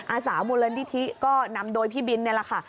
อาสามูลนิธิก็นำโดยพี่บินนี่แหละค่ะ